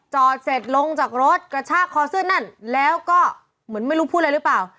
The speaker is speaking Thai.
จอดเสร็จลงจากรถกระชากคอเสื้อนั่นแล้วก็เหมือนไม่รู้พูดอะไรหรือเปล่า